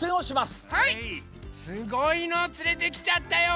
すごいのをつれてきちゃったよ